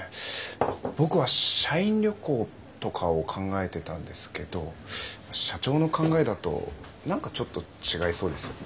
僕は社員旅行とかを考えてたんですけど社長の考えだと何かちょっと違いそうですよね。